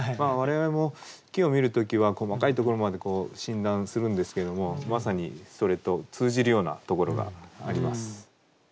我々も木を見る時は細かいところまで診断するんですけれどもまさにそれと通じるようなところがあります。